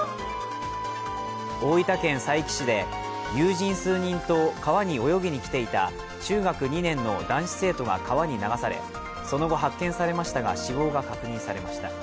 大分県佐伯市で、友人数人と川に泳ぎに来ていた中学２年の男子生徒が川に流されその後、発見されましたが死亡が確認されました。